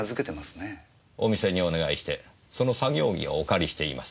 お店にお願いしてその作業着をお借りしています。